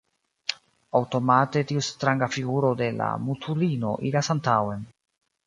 Aŭtomate tiu stranga figuro de la mutulino iras antaŭen.